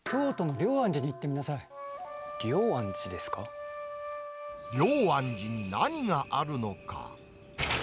龍安寺に何があるのか。